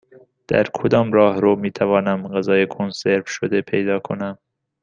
در کدام راهرو می توانم غذای کنسرو شده پیدا کنم؟